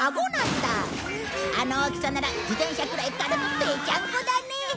あの大きさなら自転車くらい軽くペチャンコだね。